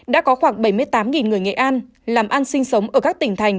đã có khoảng bảy mươi tám người nghệ an làm ăn sinh sống ở các tỉnh thành